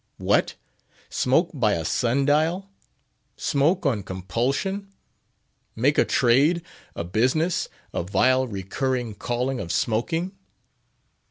What! smoke by a sun dial? Smoke on compulsion? Make a trade, a business, a vile recurring calling of smoking?